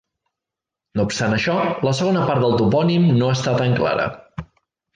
No obstant això, la segona part del topònim no està tan clara.